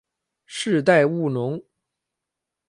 世代务农。